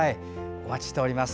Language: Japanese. お待ちしております。